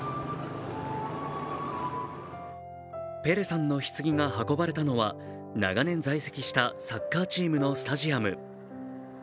ペレさんのひつぎが運ばれたのは長年在籍したサッカーチームのスタジアム。